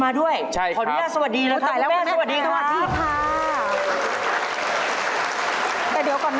มันยังไม่ตายคืน